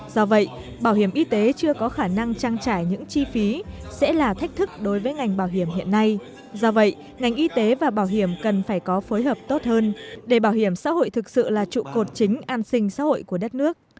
do vậy bảo hiểm y tế chưa có khả năng trang trải những chi phí sẽ là thách thức đối với ngành bảo hiểm hiện nay do vậy ngành y tế và bảo hiểm cần phải có phối hợp tốt hơn để bảo hiểm xã hội thực sự là trụ cột chính an sinh xã hội của đất nước